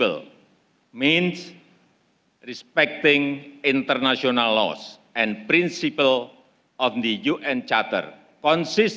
artinya menghormati peraturan internasional dan prinsip dari catatan un